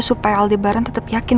supaya aldebaran tetep yakin